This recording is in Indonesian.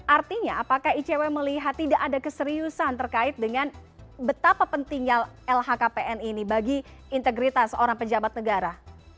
artinya apakah icw melihat tidak ada keseriusan terkait dengan betapa pentingnya lhkpn ini bagi integritas orang pejabat negara